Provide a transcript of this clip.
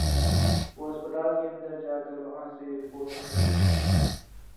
وہ ہسپتال کے اندر جا کر وہاں سے رپورٹنگ کر سکے۔